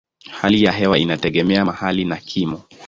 Hali ya hewa inategemea mahali na kimo.